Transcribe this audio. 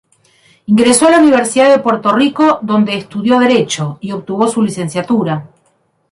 Ingresó a la Universidad de Puerto Rico donde estudió Derecho, y obtuvo su licenciatura.